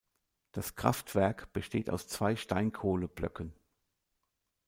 Das Kraftwerk besteht aus zwei Steinkohle-Blöcken.